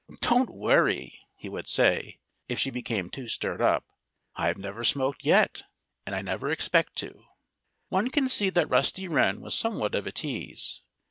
"Don't worry!" he would say, if she became too stirred up. "I've never smoked yet and I never expect to." One can see that Rusty Wren was somewhat of a tease.